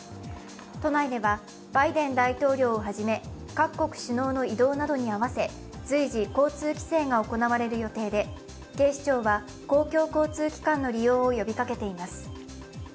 都内では、バイデン大統領をはじめ各国首脳の移動などに合わせ随時、交通規制などが行われる予定で警視庁は公共交通機関の利用を呼びかけています。